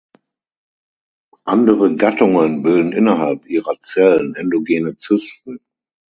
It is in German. Andere Gattungen bilden innerhalb ihrer Zellen endogene Zysten.